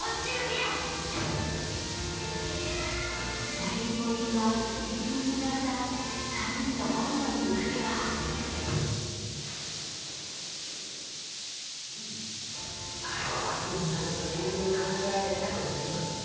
誰にも言えないいびつにゆがんだ３人の恋の行方は秋になるといろいろ考えたくなりますね。